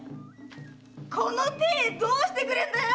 この鯛どうしてくれんだよ！